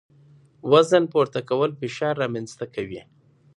وزن پورته کول فشار رامنځ ته کوي.